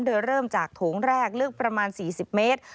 โดยเริ่มจากโถงแรกลึกประมาณ๔๐เมตร